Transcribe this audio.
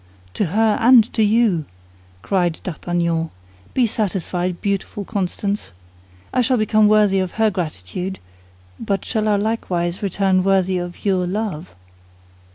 "To her and to you!" cried D'Artagnan. "Be satisfied, beautiful Constance. I shall become worthy of her gratitude; but shall I likewise return worthy of your love?"